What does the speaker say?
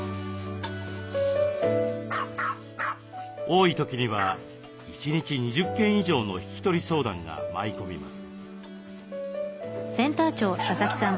多い時には一日２０件以上の引き取り相談が舞い込みます。